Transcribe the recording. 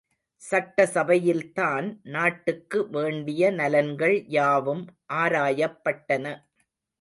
சட்டசபையில்தான் நாட்டுக்கு வேண்டிய நலன்கள் யாவும் ஆராயப்பட்டன.